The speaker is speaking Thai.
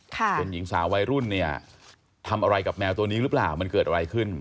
เป็นหญิงสาววัยรุ่นเนี่ยทำอะไรกับแมวตัวนี้หรือเปล่ามันเกิดอะไรขึ้น